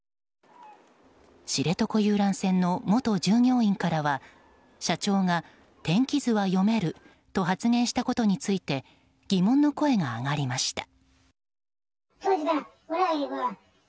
知床遊覧船の元従業員からは社長が天気図は読めると発言したことについて疑問の声が上がりました。